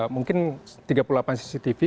mungkin tiga puluh delapan cctv